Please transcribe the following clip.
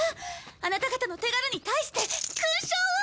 アナタ方の手柄に対して勲章を。